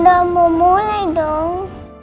ini udah mudah mau mulai dong